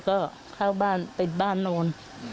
ลูกสาวกันโตเข้าไปทำงานแล้ว